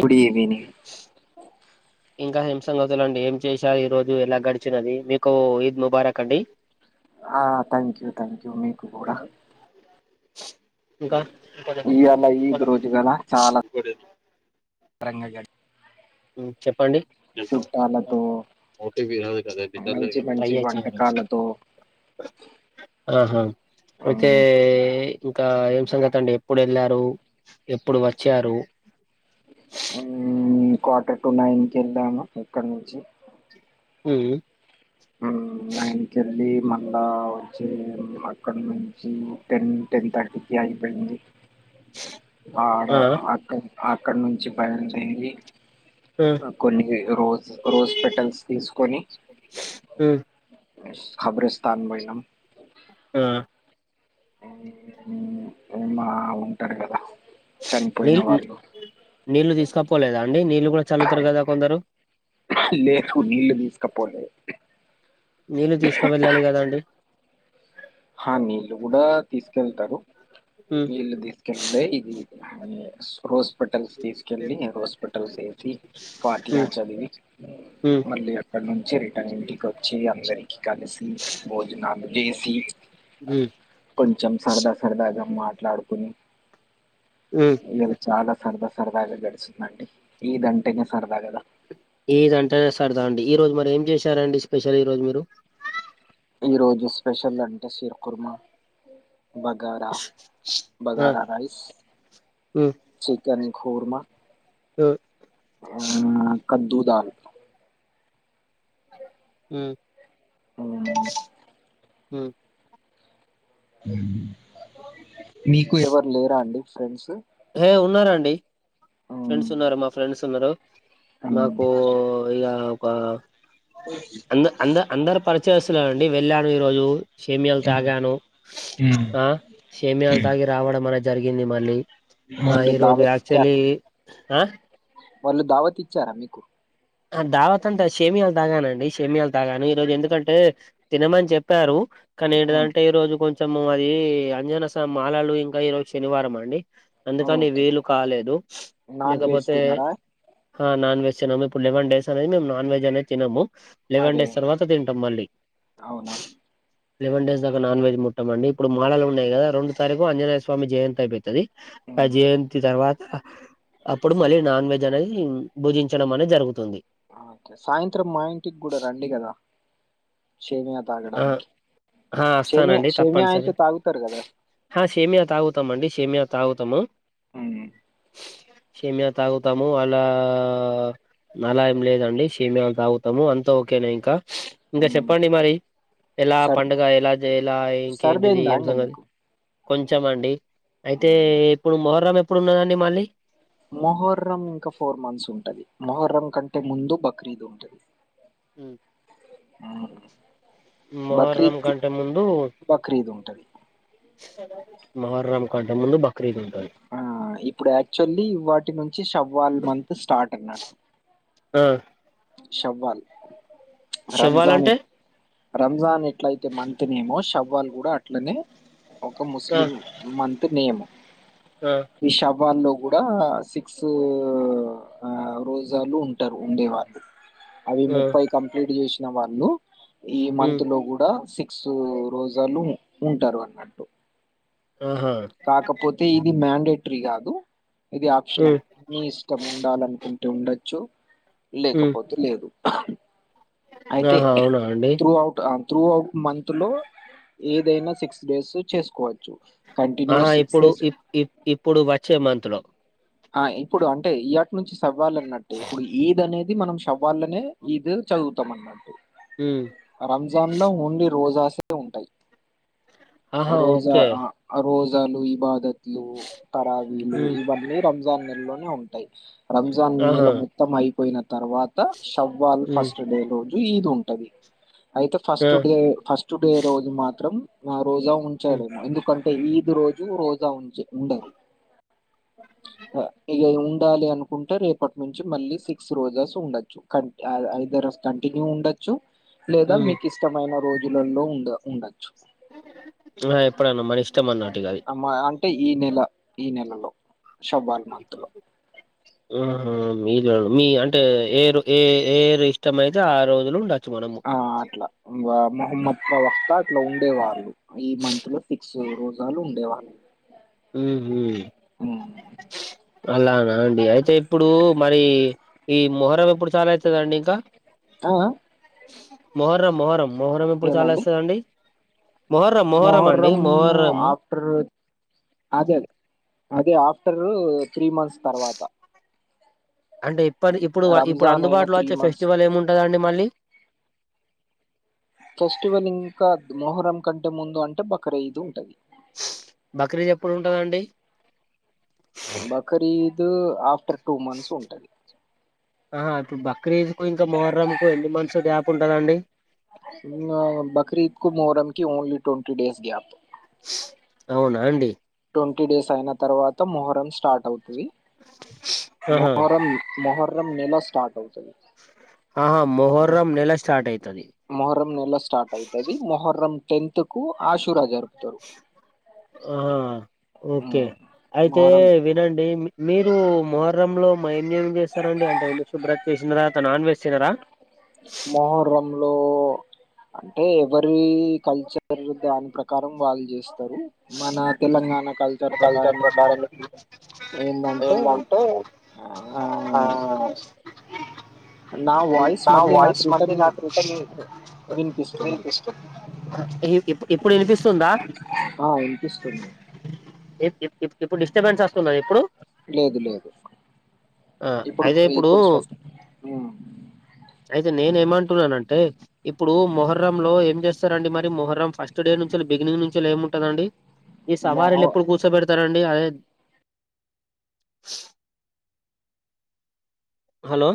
Good ఈవిని ఇంకా హింసను నోదలండి ఏం చేశా ఈ రోజు ఎలా గడిచినది మీకు ఈద్ ముబారక్ అండి ఆ థాంక్యూ థాంక్యూ మ్మికు కూడా ఇంకా ఇంకొంచెం ఇయాల ఈద్ రోజు [unintelligible] రంగ గాడ్ ఉం చెప్పండి చుట్టాలతో మంచి మంచి వంటకాలతో అహ ఓకే ఇంకా ఏం సంగతి అండి ఎప్పుడు వెళ్లారు ఎప్పుడు వచ్చారు క్వార్టర్ టు నైన్ కెళ్ళాము ఇక్కడ నుంచి హ్మ్ ఉం నైన్ కెళ్ళి మళ్ళా వచ్చే అక్కడ నుంచి టెన్ టెన్ థర్టీకి అయిపోయింది ఆడ ఆ అక్క అక్కడ నుంచి బయలుదేరి ఆ కొన్ని రోజ్ రోజ్ పెటల్స్ తీసుకొని కబ్రస్తన్ బోయినం ఆ ఏమ్మా ఉంటారు కదా చనిపోయిన నీళ వాళ్ళు నీళ్ళు తీసుకపోలేదా అండి నీళ్ళు కూడా చల్లుతరు కదా కొందరు లేదు నీళ్లు తీసుకపోలే నీళ్లు తీసుక వెళ్ళాలి కదాండి హా నీళ్ళు కూడా తీసుకెళ్తారు ఉమ్ నీళ్లు తీసుకెళ్లే ఇది రోస్ పెటల్స్ తీసుకెళ్ళి రోజ్ పెటల్స్ వేసి పాతియ ఉమ్ చదివి ఉమ్ మళ్ళీ అక్కడ నుంచి రిటన్ ఇంటికి వచ్చి అందరికి కలిసి భోజనాలు చేసి ఉమ్ కొంచం సరదా సరదా ఇగా మాట్లాడుకోని. ఉమ్ ఇయాలా చాలా సరదా, సరదా గడిప్. చిదండి. ఈ దంటేనే సరదగదా. ఈద్ అంటే సరదా అండి, ఈ రోజ్ మరి. ఏం చేశారండి, స్పెషల్ ఈ రోజ్ మీరు. ఈరోజు స్పెషల్ అంటే షీర్ కుర్మా. బగారా, ఆ బగారా రైస్, ఉమ్ చికెన్ కుర్మా. ఉమ్ ఆ. కద్దు దాల్. హ్మ్. [unintelligible] హ్మ్. హుమ్మ్. మీకు ఎవరు లేరా అండి. ఫ్రెండ్స్. హే ఉన్నారండి. మ్మ్ ఫ్రెండ్స్ ఉన్నారూ, మా ఫ్రెండ్స్ ఉన్నారు. మాకు ఇగా. కా. అంద అంద అందర్ పడ్. చేస్తున్నానండి, వెళ్ళాను ఈరోజు. షేమీయాలు తాగాను, మ్మ్ ఆ షేమీయాలు తాగి రావడం అనేద్. జరిగింది మళ్ళీ. ఆ వాళ్ళు ఈరోజు దావత్ ఆక్చువలీ ఇచ్చారా ఆ. వాళ్ళు దావత్ ఇచ్చారా మీకు. ఆ దావత్ అంటే షేమియాలు తాగానండి షేమియాలు తాగాను. ఈ రోజు ఎందుకంటే తినమని చెప్పారు. కానీ మ్మ్. ఏంటిదంటే ఈరోజు కొంచ్. చామ్ అది, అంజన్న సామి మాలలు, ఇంకా ఈ రోజు శనివారం అండి. అందుకని ఓకే వీలు కాలేదు, నాన్ వెజ్ లేకపోతే. తినారా హా నాన్ వెజ్ తినను. ఇప్పుడ్ లెవేన్ డేస్ అనేది, మేం నాన్ వెజ్ అనేది. తినము. లేవెన్ అరే డేస్ తర్వాత తింటాం మళ్ళీ. అవునా లెవెన్ డేస్ దాకా నాన్ వెజ్ ముట్టమండి. ఇప్పుడు మాలలు ఉన్నాయి కదా రెండు తారీఖు ఆంజనేయ స్వామి జయంతి అయిపోతది. ఆ మ్మ్. జయంతి తర్వాత అప్పుడు మళ్ళీ నాన్ వెజ్ అనేది భుజించడం అనేది. జరుగుతుంది. ఓకే. సాయంత్రం మా ఇంటికి గూడా రండి కదా. షేమియా ఆ తాగడానికి హా షేమియా అస్తానండి షేమియా అయితే తప్పనీసరిగా. తాగుతారు కదా హా షేమియా తాగుతామండి. షేమియా తాగుతాము. ఉమ్. సేమియా తాగుతాము అలా నలా ఏం లేదండి సేమయా తాగుతాము అంత ఓకేనా ఇంకా ఇంకా మ్మ్. చెప్పండి మరి ఎలా సర్ పండుగ ఎలా చే ఎలా సర్ది ఇంకేంటిది అయిందా ఏం అండి సంగతి మీకు కొంచం అండి అయితే మ్మ్. ఇప్పుడు మొహర్రం ఎప్పుడు ఉన్నదండి మళ్ళీ మొహర్రం ఇంకా ఫోర్ మంత్స్ ఉంటది మొహర్రం కంటే ముందు బక్రీద్ ఉంటుంది ఆ మొహరం కంటే ముందు బక్రీద్ ఉంటది మొహరమ్ కంటే ముందు బా ఆ ఇప్పుడు యాక్చువల్లీ వాటి నుంచి షవ్వాల మంత్ స్టార్ట్ అనట్టు ఆ శవ్వాల్ శేవ్వాలంటే రంజాన్ ఎట్ల అయితే మంతనేమో షవ్వాల్ కూడా అట్లనే ఒక ఆ ముస్లిం మంత్రి నీయమం ఆ విషబ్ వాళ్ళు కూడా సిక్స్ రోజాలు ఉంటారు ఉండే వాళ్ళు అవి ఆ ముప్పై కంప్లిట్ చేసి ఇంక వాళ్లు ఈ ఉమ్ మంత్ లో కూడా సిక్ సో రోజలు ఉంటారు అన్నట్టు ఆహా కాకపోతే ఇది మ్యాండే ఇది కాదు ఇది ఉమ్ ఆప్షనల్ మీ ఇష్టం ఉండాలనుకు ఉండచ్చు ఉమ్ లేకపోతే లేదు అయితే ఆహా అవునా అండి త్రూఔట్ ఆ త్రూఔట్ మంత్ లో ఏదైనా సిక్స్ డేస్ చేసుకోవచ్చు ఆహా కంటిన్యూస్ సిక్స్ ఇప్పుడు డేస్ ఇ ఇ ఇప్పుడు చేమంతులో ఆ ఇప్పుడు అంటే ఈయాటి నుంచి సవాలన్నట్ట ఇప్పుడు ఈద్ అనేది ఇది మనం సవ్వాలనే ఇద్ చదువుతాం అన్నట్ ఉమ్ రంజాన్ లో ఓన్లీ రోజస్ ఉంటాయి ఆహా రోజా ఓకే ఆ రోజు చాలు ఈ బాధ లు తరావీలు ఉమ్ ఇవన్నీ రం రాం నెల్ లోనే ఉంటాయి రంజాన్ నెల ఆహా మొత్తం అయిపోయిన తర్వాత షవ్వాల్ ఉమ్ ఫస్ట్ డే రోజు ఈద్ న్ టది అయితే ఆ ఫస్ట్ డే ఫస్ట్ డే రోజు మాత్రం ఆహ్, రోజా ఉమ్ ఉంచాడు ఎందుకన్ తే ఈదు రోజు రోజా ఉంచె ఉండరు ఇగ ఉండాలి అనుకుంటే, రేపటి నుంచి మళ్ళీ సిక్స్ రోజాస్ ఉండొచ్చు క ఐదర్ కంటిన్యూ ఉండొచ్చు. లేదా ఉమ్ మీకు ఇష్టమైన రోజ్ ఊర్లలో ఉండ ఉండ ఆ ఎప్పుడన్నా మన ఇష్టం అన్నటు ఇగ అది అమ నెల ఈ నెలలో శవాల్ మంత్ లో ఉ హుం మీద మీ అంటే ఏ ర ఏ ఏ ఇష్టం అయితే ఆ రోజులు ఉండ ఆ అట్లా బాప్ మహమ్మద్ ప్రవక్త అట్లా ఉండే వాళ్ళు, ఈ మంత్ లో ఫిక్స్డ్ రోజాలు ఉండే వాళ్ళు. మ్మ్ హ్మ్మ్ అలానా అండి అయితే ఇప్పుడు మరి ఈ మొహరం ఎప్పుడు స్టార్ట్ అయితాదండీ ఇంకా ఆ మోహరం మొహరం మోహరం ఎప్పుడు చాలస్తాదండి మొహరం మ్మ్ ఆఫ్టర్ అదే అదే అది ఆఫ్ టరూ త్రీ మంత్స్ తర్వాత అంటే ఇప్ప ఇప్పుడు ఇప్పుడు రంజాన్ అయిన అందుబాటులో వచ్చే మంత్స్ ఫెస్టివల్ ఏముంటదండి మ మళ్లీ ఫెస్టివల్ ఇంకా మొహరం కంటే ముందు అంటే బాకరీదు ఉంటది బక్రీద్ ఎప్పుడు ఉంటందండి బకారీద్ ద్ ఆఫ్టర్ టూ మంత్స్ ఉంటది ఆహా ఇప్పుడు బక్రీద్ కు, ఇంకా మొహర్రమ్ కు ఎన్ని మంత్స్ గ్యాప్ ఉంటదండి బక్రీద్ కు మొహరంకి ఓన్లీ ట్వంటీ డేస్ గ్యాప్ అవునా అండి ట్వంటీ డేస్ అయిన తర్వాత మొహరం స్ స్టార్ట్ అవుతది ఆహా మొహరం మోహ స్టార్ట్ అవుతది ఆహా మొహర్రం నెల స్టార్ట్ అయి మొహర్రం నేలా స్టార్ట్ అయితది మొహర్రం టెన్త్ కు ఆశూ రాజారు ఆ ఓకే అయితే మొహర్రం వినండి మీ మీరు మ రంలో మా ఏం ఏం చేస్తారాండి అంటే ఇల్లు శుభ్రం చేసిన తర్వాత నాన్ వెజ్ చేయరా లో అంటే ఎవరి కల్చర్ దాని ప్రకారం వాళ్ళ చేస్ తారు మన తెలంగాణ కల్చర్ ప్రకారం ఏంటంటే ఏమంటే ఆ ఆ నా వాయిస్ నా మళ్ళీ నాకు వాయిస్ మళ్ళీ రిటర్న్ నాకు రిటర్న్ విన్ వినిపిస్తుంది ఈ ఇప్పుడు వినిపిస్తుందా ఆ వినిపిస్తుంది [unintelligible] ఇప్పుడు డిస్టర్బెన్స్ వస్తుందిం ఇప్పుడు లేదు లేదు ఆ అయితే ఇప్పుడు ఉమ్, అయితే నేను ఏమంటున్నాన అంటే ఇప్పుడు మొహర్ర లో ఏం చేస్తారంండి మరి మొహర్రం ఫస్ట్ డే నుంచి బిగినింగ్ నుంచి ఏమింటందండి ఈ మొహ సవారి పరుతరండి హలో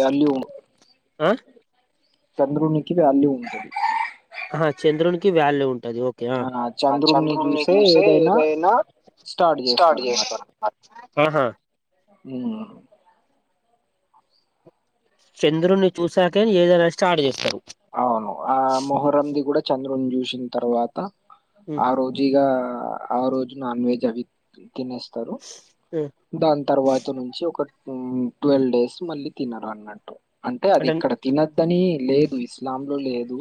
వాల్యూ ఆ చంద్రునికి వాల్యూ ఉంటది ఆ చంద్రునికి వాల్యూ ఉ అది ఓకే ఆ చంద్రుని చూసే ఏదైనా స్టార్ట్ చేస్తారు ఆహా ఉ చంద్రును చూశాకని ఏదైనా స్టార్ట్ చేస్తారు అవును ఆ మొహరంది కూడా చంద్రుని చూసిన తర్వాత ఉమ్, ఆ రోజీగా ఆ రోజు నాన్ వెజ్ అవింది తినేస్తారు ఉమ్, దాని తర్వాత నుంచి ఒక ట్వెల్వ్ డేస్ మళ్ళీ తినరు అన్నట్టు అంటే అది ఇక్కడ తినద్దని లేదు ఇస్లాం లో లేదు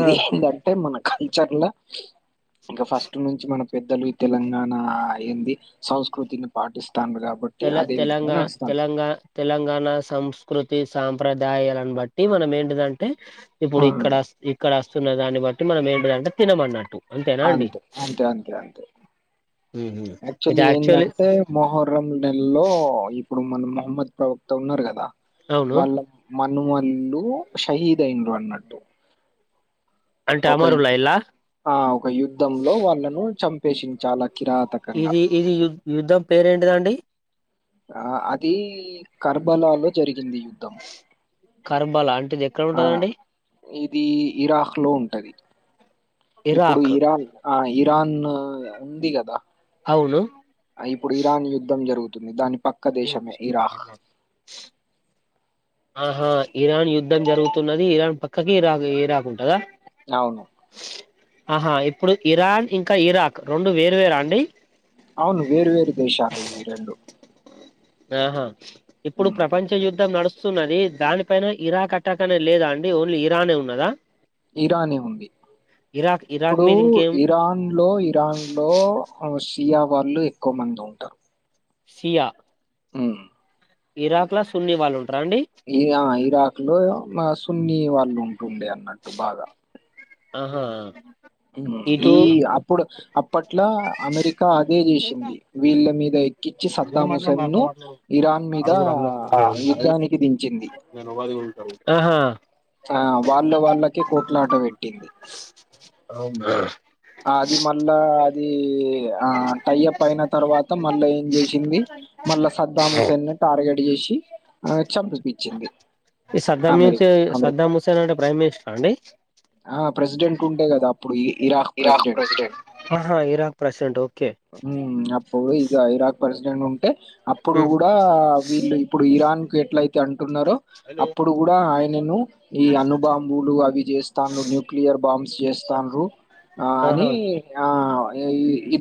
ఆ ఇది అ టై మనకు కల్చర్లా ఇంకా ఫస్ట్ నుంచి మన పెద్దలు తెలంగాణ ఏంది సంస్కృతిని పాటిస్త తెల తెలంగా తెలంగా తెలంగాణ సంస్కృతి సాంప్రదాయాలను బట్టి మనం ఏంటిదంటే ఇప్పుడు హ్మ్. ఇక్కడ రా ఇక్కడ వస్తున్న దాన్ని బట్టి మనం ఏంటిదంటే తినమన్నట్టు అంతేనా అండి అంతే అంతే అంతే అంతే యాక్చువల్లీ ఏందంటే మొహర్రం నెలలో ఇప్పుడు మన మహమ్మద్ ప్రవక్త ఉన్నారు కదా అవును వాళ్ళ మనుమలు షహీద్ అయిను అన్నట్టు అంటే ఒక అమరులా ఇలా ఆ ఒక యుద్ధంలో వాళ్ళను చంపేసి చాలా కిరాతకంగా ఇది ఇది యు యుద్ధం పేరేంటిదండి ఆ అది కర్బలాలో జరిగి కరబల్ అంటిది ఎక్కడ ఆ! ఉంటదండి ఇది ఇరాక్ లో ఉంటది ఇప్పుడు ఇరాక్ ఇరాన్ ఆ ఇ ఇరాన్ ఉంది కదా అవును ఇప్పుడు ఇరాన్ యుద్ధం జరుగుంది తుంది దానికి పక్క దేశము ఇరాహ ఆహా ఇరాన్ యుద్ధం జరుగుతున్నది ఇరాన్ ప ఇ కాకి రాకు ఏ రాకుంటందా అవును. ఆహా ఇప్పుడు ఇరాన్ ఇంకా ఇరాక్ రెండు వేరువేరా అండి అవును వేర్వేరు దేశాలు ఇవి రెండు ఆహా ఇప్పుడు ప్రపంచ యుద్ధం నడుస్తుంది ఉన్నది దానిపైన ఇరాక్ అట్టాకనే లేదా అండి ఓన్లీ ఇరానే ఉన్నదా ఇరానే ఉంది ఇరాక్ ఇరాక్ ఇప్పుడు మీద ఇంకేం ఇరాన్ లో ఇరాన్ లో తియా వాళ్ళు ఎక్కువ మంది ఉంటారు సియా ఊ ఇరాక్ లా సున్ని వాళ్ళు ఉంటారా అండి ఇ ఇరాక్ లో ఆ సున్ని వా ఉండే అన్నట్టు బాగా ఆహా మ్ ఈ ఇటు అప్పుడు అప్ అట్లా అమెరికా అదే చేషింది వీళ్ళ మీద ఎక్కిచి సద్దాముసైం ను ఇరాన్ మీదా యుద్ధానికి దించింది, ఆహా ఆ వాళ్ళ వాళ్ళకే కోట్లాట పెట్టింది అవునా అది మళ్ళా అదీ ఆ టై అప్ అయిన తర్వాత మళ్ళా ఏం చేషింది మళ్ళా సద్దాం హుసేన్ ని టార్గెట్ చేషి ఆమే చంపి పిచ్చింది ఈ సద్దా మీసేన్ సద్దాం హుసేన్ అంటే ప్రైమ్ మినిస్ట అండి ఆ ప్రెసిడెంట్ ఉంటే కదా అప్పుడు ఇ ఇరాక్ ప్రెసిడెంట్, ఆహా ఇరాక్ ప్రెసిడెంట్ ఓ మ్ అప్పుడు ఇగ ఇరాక్ తర్స్డే నుండ్ అంటే అప్పుడు ఉమ్, కూడా వీళ్ళు ఇప్పుడు ఇరాన్ పెట్లైతే అం టున్నరో అప్పుడు కూడా ఆయనను ఈ అన్నబాంబులు అవి చేస్తాన్రు న్యూక్లియర్ బాంబ్ చేస్తాండ్రు ఆ అని ఆహా ఆ అ [unintelligible]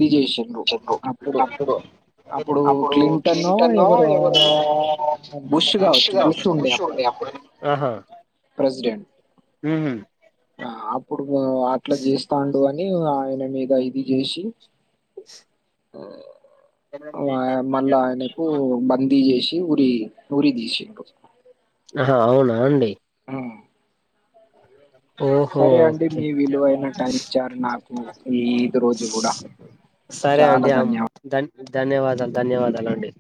అప్పుడు క్లింటన్ ఎవరో బుష్ కావచ్చు బుష్ ఉండే అప్పుడు ఆహా ప్రెసిడెంట్ మ్మహ్హ్ ఆప్పు అట్లా చేస్తాంట్ అని ఆయన మీద ఇది జేషి ఆ మళ్ళా ఆయనకు బందీ చేషి ఉరీ, ఉరీ దిషిండ్రు ఆహ్ అవునా అండి ఆ ఓహో సరే అండి ఓకే మీ విలువైన టైం ఇచ్చారు నాకు ఈ ఇదు రోజు కూడా సరే అండి చాలా ధన్యవా ధన్ ధన్యవాదాలు ధన్యవాదాలు అండి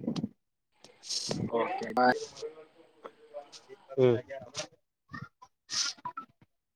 ఓకే బాయ్ [inaudible]